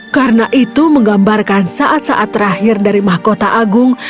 karena itu menggambarkan saat saat terakhir dari mahkota agung